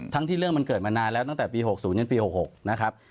ทั้งที่เรื่องมันเกิดมานานแล้วตั้งแต่ปี๖๐จนปี๖๖นะครับ